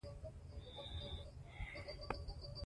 ځمکه د افغان ښځو په ژوند کې هم یو رول لري.